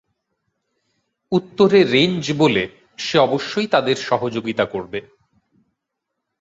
উত্তরে রেঞ্জ বলে সে অবশ্যই তাদের সহযোগীতা করবে।